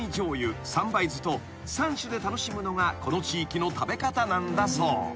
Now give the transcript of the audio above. ［３種で楽しむのがこの地域の食べ方なんだそう］